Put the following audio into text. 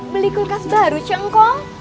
beli kulkas baru cengkong